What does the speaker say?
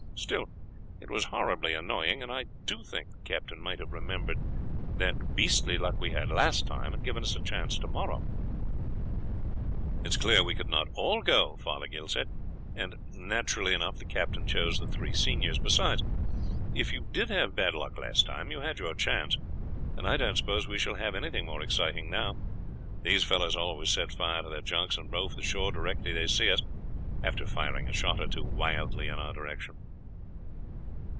Still it was horribly annoying, and I do think the captain might have remembered what beastly luck we had last time, and given us a chance tomorrow." "It is clear we could not all go," Fothergill said, "and naturally enough the captain chose the three seniors. Besides, if you did have bad luck last time, you had your chance, and I don't suppose we shall have anything more exciting now; these fellows always set fire to their junks and row for the shore directly they see us, after firing a shot or two wildly in our direction."